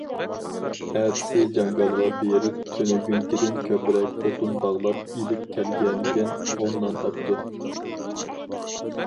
ئەتىسى جاڭگالغا بېرىپ تۈنۈگۈنكىدىن كۆپرەك ئوتۇن باغلاپ ئېلىپ كەلگەنىكەن، ئون نان ئاپتۇ.